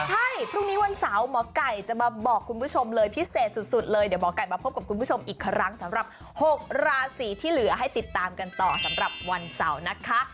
ใช่พรุ่งนี้วันเสาร์หมอไก่จะมาบอกคุณผู้ชมเลยพิเศษสุดเลยเดี๋ยวหมอไก่มาพบกับคุณผู้ชมอีกครั้งสำหรับ๖ราศีที่เหลือให้ติดตามกันต่อสำหรับวันเสาร์นะคะ